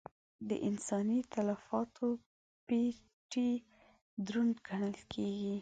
د انساني تلفاتو پېټی دروند ګڼل کېږي.